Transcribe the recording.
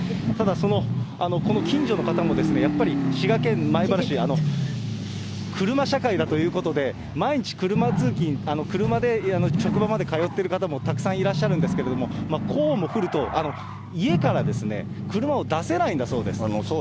ただ、この近所の方もやっぱり滋賀県米原市、車社会だということで、毎日、車通勤、車で職場まで通っている方もたくさんいらっしゃるんですけれども、こうも降ると、家から車を出せないんだそうです。